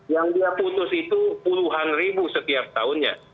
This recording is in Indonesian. yang dia putus itu puluhan ribu setiap tahunnya